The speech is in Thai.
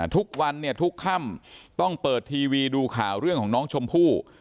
ทุกวันเนี่ยทุกค่ำต้องเปิดทีวีดูข่าวเรื่องของน้องชมพู่